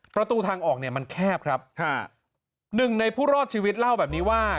ประตูทางออกเนี่ยมันแคบครับค่ะหนึ่งในผู้รอดชีวิตเล่าแบบนี้ว่า